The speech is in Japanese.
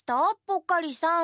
ぽっかりさん。